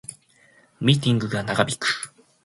ミーティングが長引く